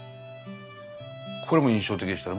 これも印象的でしたね。